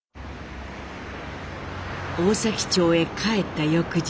大崎町へ帰った翌日。